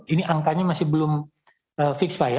ini angkanya masih belum fix pak ya